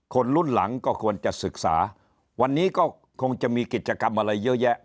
คนรุ่นหลังก็ควรจะศึกษาวันนี้ก็คงจะมีกิจกรรมอะไรเยอะแยะ